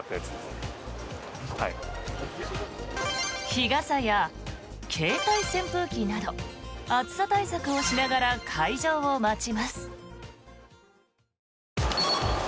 日傘や携帯扇風機など暑さ対策をしながら開場を待ちます。